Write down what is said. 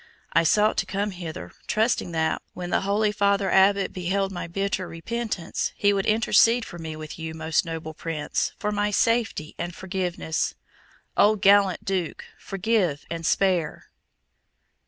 I sought to come hither, trusting that, when the holy Father Abbot beheld my bitter repentance, he would intercede for me with you, most noble Prince, for my safety and forgiveness. Oh, gallant Duke, forgive and spare!"